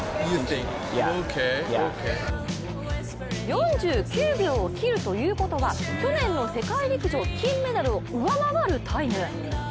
４９秒を切るということは去年の世界陸上金メダルを上回るタイム。